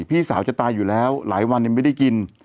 พี่สาวจะตายอยู่แล้วหลายวันยังไม่ได้กิน